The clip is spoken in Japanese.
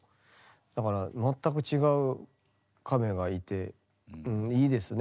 だから全く違う亀がいてうんいいですね